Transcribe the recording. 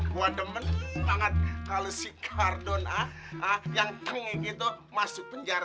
gua demen banget kalau sikardon yang kering gitu masuk penjara